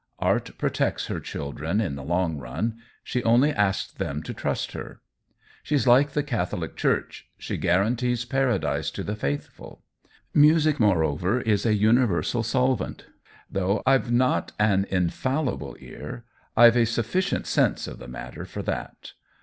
Art protects her chil dren, in the long run — she only asks them to trust her. She is like the Catholic Church — she guarantees paradise to the faithful. Music, moreover, is a universal solvent; though I've not an infallible ear, I've a suf ficient sense of the matter for that.